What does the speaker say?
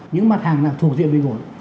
những mặt hàng nào thù diện bình ổn